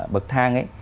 bậc thang ấy